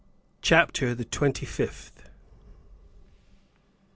CHAPTER THE TWENTY FIFTH.